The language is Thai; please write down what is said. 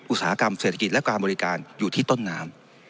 อุตสาหกรรมเศรษฐกิจและการบริการอยู่ที่ต้นน้ำ